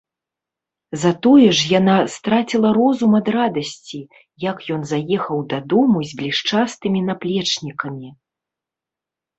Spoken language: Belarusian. Затое ж яна страціла розум ад радасці, як ён заехаў дадому з блішчастымі наплечнікамі.